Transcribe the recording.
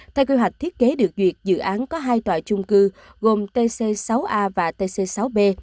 theo quy hoạch thiết kế được duyệt dự án có hai tòa chung cư gồm tc sáu a và tc sáu b